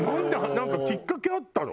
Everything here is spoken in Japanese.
なんかきっかけあったの？